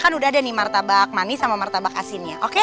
kan udah ada nih martabak manis sama martabak asinnya